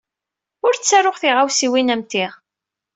Ur ttaruɣ tiɣawsiwin am ti.